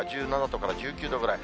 １７度から１９度くらい。